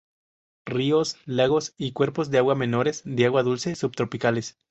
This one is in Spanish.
Ríos, lagos y cuerpos de agua menores de agua dulce subtropicales.